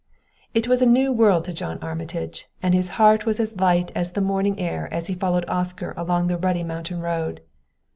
It was a new world to John Armitage, and his heart was as light as the morning air as he followed Oscar along the ruddy mountain road.